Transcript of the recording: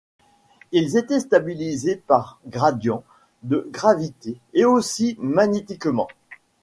Ils étaient stabilisés par gradient de gravité et aussi magnétiquement.